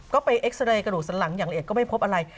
ก็ไปเอ็กซาเรย์กระดูกสันหลังอย่างละเอียดก็ไม่พบอะไร